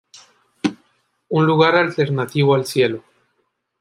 Un lugar alternativo al cielo.